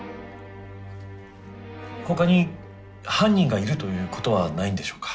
ほかに犯人がいるということはないんでしょうか？